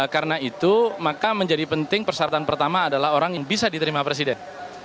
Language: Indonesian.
karena itu maka menjadi penting persyaratan pertama adalah orang yang bisa diterima presiden